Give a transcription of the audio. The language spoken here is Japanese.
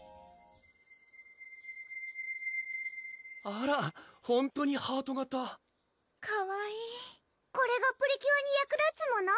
あらほんとにハート形かわいいこれがプリキュアに役立つもの？